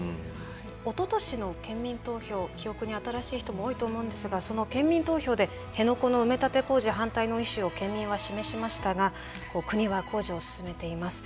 おととしの県民投票記憶に新しい人も多いと思うんですがその県民投票で辺野古の埋め立て工事反対の意思を県民は示しましたが国は工事を進めています。